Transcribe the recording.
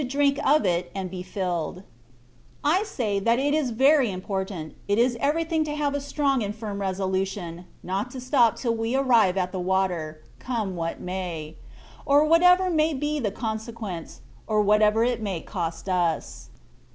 drink of it and be filled ; I say that it is very im portant — ^it is everything to have a strong and firm resolution, not to stop till we arrive at the water, come what may, or whatever may be the consequence, or whatever it may cost us.